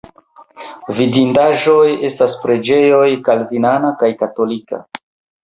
Vidindaĵoj estas preĝejoj kalvinana kaj katolika.